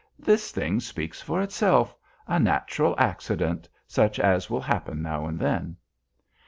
This thing speaks for itself. A natural accident, such as will happen now and then!"